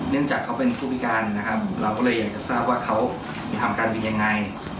เนื่องจากเขาเป็นผู้พิการนะครับเราก็เลยอยากจะทราบว่าเขาทำการบินยังไง